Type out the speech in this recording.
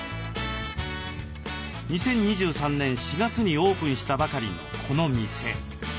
２０２３年４月にオープンしたばかりのこの店。